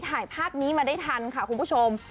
ถ่ายภาพนี้มาได้ทันค่ะคุณผู้ชม